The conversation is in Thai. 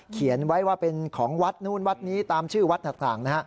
เขียนไว้ว่าเป็นของวัดนู้นวัดนี้ตามชื่อวัดต่างนะฮะ